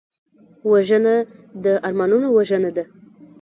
وژنه د ارمانونو وژنه ده